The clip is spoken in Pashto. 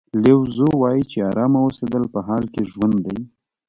لیو زو وایي چې ارامه اوسېدل په حال کې ژوند دی.